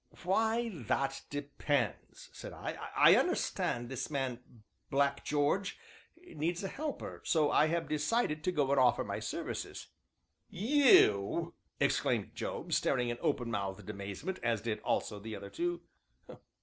"Why, that depends," said I. "I understand that this man, Black George, needs a helper, so I have decided to go and offer my services." "You!" exclaimed Job, staring in open mouthed amazement, as did also the other two.